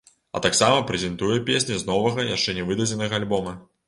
А таксама прэзентуе песні з новага, яшчэ нявыдадзенага альбома.